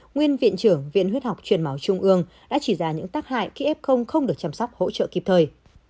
nguyên viện trưởng viện huyết học truyền máu trung ương đã chỉ ra những tác hại khi f không được chăm sóc hỗ trợ kịp thời